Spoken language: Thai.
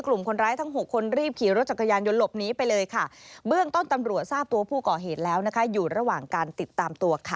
กลุ่มคนร้ายทั้ง๖คนรีบขี่รถจักรยานยนต์หลบหนีไปเลยค่ะ